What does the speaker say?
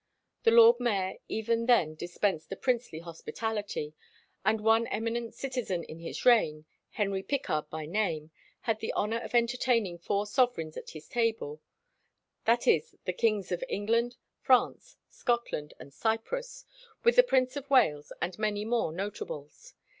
The lord mayor even then dispensed a princely hospitality, and one eminent citizen in his reign, Henry Picard by name, had the honour of entertaining four sovereigns at his table, viz., the Kings of England, France, Scotland, and Cyprus, with the Prince of Wales and many more notables.